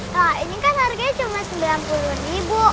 nah ini kan harganya cuma sembilan puluh ribu